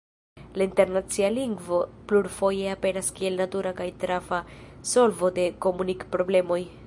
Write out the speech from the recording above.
La internacia lingvo plurfoje aperas kiel natura kaj trafa solvo de komunik-problemoj.